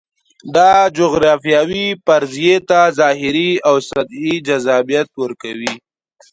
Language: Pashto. دا جغرافیوي فرضیې ته ظاهري او سطحي جذابیت ورکوي.